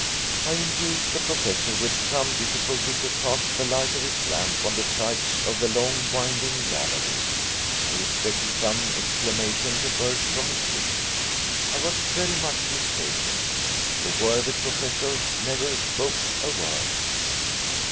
I induced the Professor with some difficulty to cast the light of his lamp on the sides of the long winding gallery. I expected some exclamation to burst from his lips. I was very much mistaken. The worthy Professor never spoke a word.